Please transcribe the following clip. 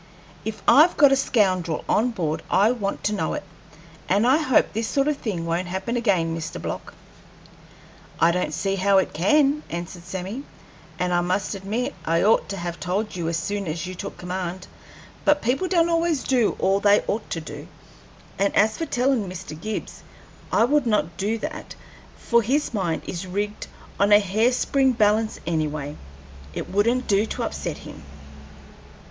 "If I've got a scoundrel on board I want to know it, and I hope this sort of thing won't happen again, Mr. Block." "I don't see how it can," answered Sammy; "and I must admit I ought to have told you as soon as you took command; but people don't always do all they ought to do; and, as for tellin' Mr. Gibbs, I would not do that, for his mind is rigged on a hair spring balance anyway; it wouldn't do to upset him."